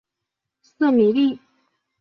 瑟米利。